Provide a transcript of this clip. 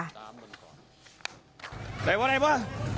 ไหนวะ